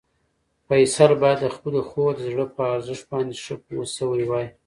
فیصل باید د خپلې خور د زړه په ارزښت باندې ښه پوه شوی وای.